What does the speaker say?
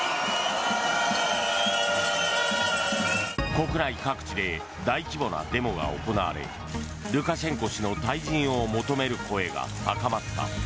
国内各地で大規模なデモが行われルカシェンコ氏の退陣を求める声が高まった。